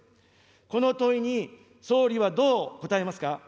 この問いに総理はどう答えますか。